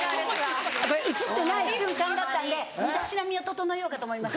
映ってない瞬間だったんで身だしなみを整えようかと思いまして。